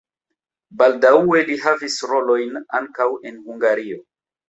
Baldaŭe li havis rolojn ankaŭ en Hungario.